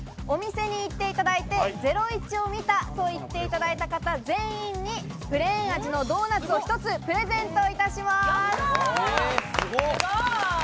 お店に行っていただいて『ゼロイチ』を見たと言っていただいた方、全員にプレーン味のドーナツを１つプレゼントいたします。